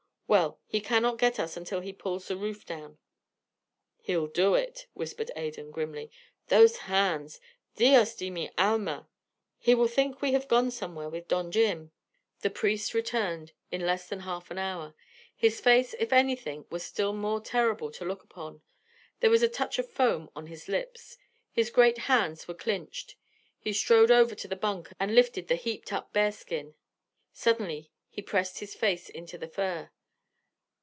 Well, he cannot get us until he pulls the roof down." "He could do it," whispered Adan, grimly. "Those hands! Dios de mi alma!" "He will think we have gone somewhere with Don Jim." The priest returned in less than half an hour. His face, if anything, was still more terrible to look upon. There was a touch of foam on his lips. His great hands were clinched. He strode over to the bunk and lifted the heaped up bearskin. Suddenly he pressed his face into the fur.